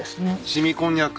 凍みこんにゃく